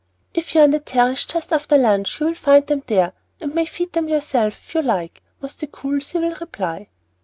"If you are on the terrace just after lunch, you will find them there, and may feed them yourself, if you like" was the cool, civil reply.